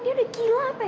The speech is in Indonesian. dia udah gila apa ya